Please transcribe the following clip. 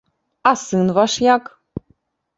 А сын ваш як?